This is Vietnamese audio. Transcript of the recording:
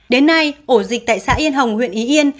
đến nay ổ dịch tại xã yên hồng huyện ý yên